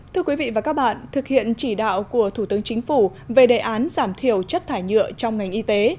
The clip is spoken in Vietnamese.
thưa quý vị và các bạn thực hiện chỉ đạo của thủ tướng chính phủ về đề án giảm thiểu chất thải nhựa trong ngành y tế